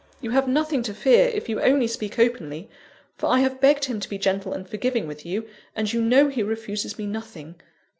You have nothing to fear, if you only speak openly; for I have begged him to be gentle and forgiving with you, and you know he refuses me nothing.